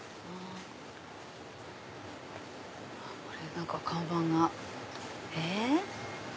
何か看板が。え？